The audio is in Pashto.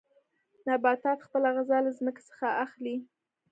نباتات خپله غذا له ځمکې څخه اخلي.